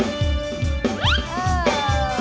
ลงมาแล้ว